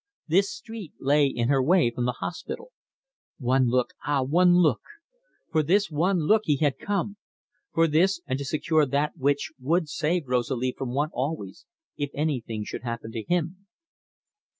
This street lay in her way from the hospital. "One look ah, one look!" For this one look he had come. For this, and to secure that which would save Rosalie from want always, if anything should happen to him.